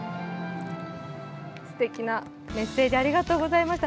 すてきなメッセージありがとうございました。